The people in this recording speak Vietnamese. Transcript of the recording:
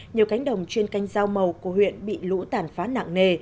nhiều cánh đồng chuyên canh rau màu của huyện bị lũ tàn phá nặng nề